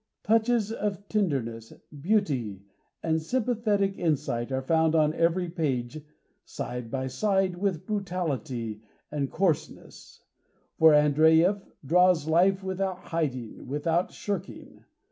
Touches of tenderness, beauty, and sympathetic insight are found on every page side by side with brutality and coarseness, for Andreyev draws Life without hiding, without shirking.